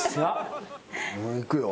いくよ。